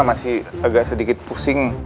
masih agak sedikit pusing